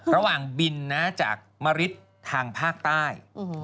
ระหว่างบินจากมะริดทางภาคใต้